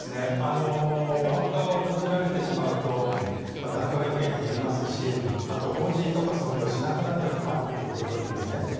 お墓を閉じられてしまうと檀家が１軒減りますしあと法事とか掃除をしなくなって困るということですね。